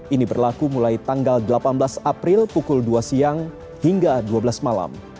ini berlaku mulai tanggal delapan belas april pukul dua siang hingga dua belas malam